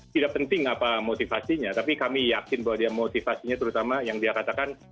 tidak penting apa motivasinya tapi kami yakin bahwa dia motivasinya terutama yang dia katakan